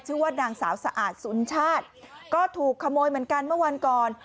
ชื่อว่านางสาวสะอาดสุนชาติก็ถูกขโมยเหมือนกันเมื่อวันก่อน